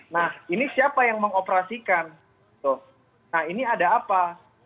nah ini siapa yang mengoperasikan nah ini ada apa